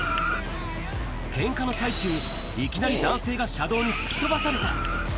けんかの最中、いきなり男性が車道に突き飛ばされた。